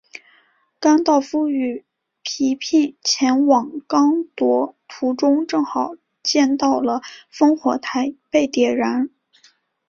甘道夫与皮聘前往刚铎途中正好见到了烽火台被点燃。